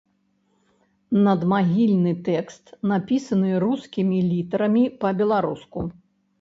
Надмагільны тэкст напісаны рускімі літарамі па-беларуску.